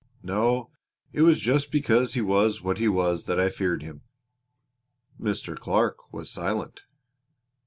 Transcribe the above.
No, it was just because he was what he was that I feared him." Mr. Clark was silent.